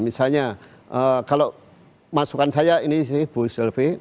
misalnya kalau masukan saya ini si ibu sylvie